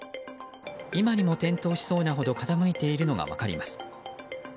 今にも転倒しそうなほど傾いているのが分かります。